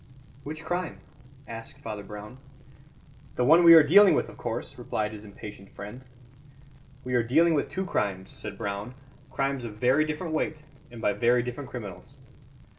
"Which crime?" asked Father Brown. "The one we are dealing with, of course," replied his impatient friend. "We are dealing with two crimes," said Brown, "crimes of very different weight and by very different criminals."